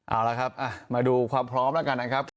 เอาละครับมาดูความพร้อมแล้วกันนะครับ